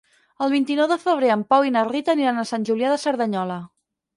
El vint-i-nou de febrer en Pau i na Rita aniran a Sant Julià de Cerdanyola.